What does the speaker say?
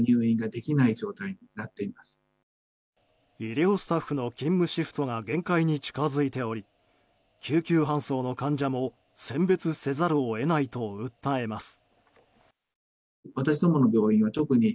医療スタッフの勤務シフトが限界に近付いており救急搬送の患者も選別せざるを得ないと訴えます。